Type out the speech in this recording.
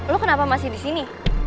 lu kenapa masih di sini